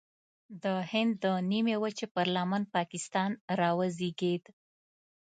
د هند د نیمې وچې پر لمن پاکستان راوزېږید.